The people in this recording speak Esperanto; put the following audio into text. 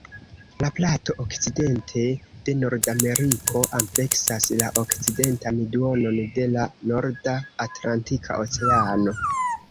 La plato okcidente de Nordameriko ampleksas la okcidentan duonon de la norda Atlantika Oceano.